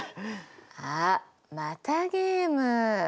あっまたゲーム。